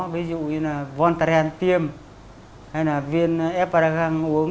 ví dụ như là vontarantim hay là viên epiragang uống